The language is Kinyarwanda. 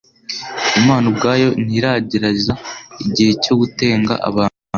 Imana ubwayo ntirageraza igihe cyo gutenga abantu